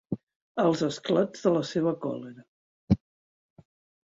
Els esclats de la seva còlera.